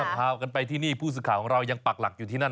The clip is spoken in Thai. พากันไปที่นี่ผู้สื่อข่าวของเรายังปักหลักอยู่ที่นั่น